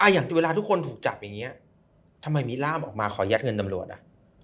อย่างเวลาทุกคนถูกจับอย่างนี้ทำไมมีล่ามออกมาขอยัดเงินตำรวจอ่ะ